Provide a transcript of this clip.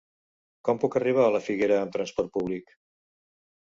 Com puc arribar a la Figuera amb trasport públic?